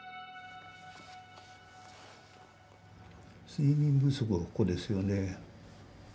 睡眠不足はここですよね。